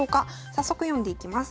早速読んでいきます。